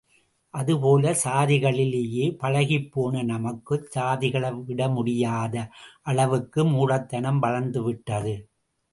அதுபோல சாதிகளிலேயே பழகிப்போன நமக்குச் சாதிகளை விடமுடியாத அளவுக்கு மூடத்தனம் வளர்ந்து விட்டது.